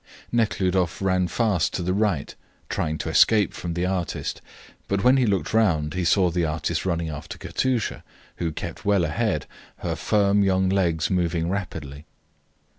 Nekhludoff ran fast to the right, trying to escape from the artist, but when he looked round he saw the artist running after Katusha, who kept well ahead, her firm young legs moving rapidly.